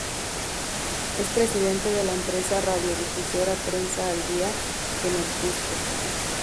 Es Presidente de la Empresa Radiodifusora Prensa al Día, en el Cusco.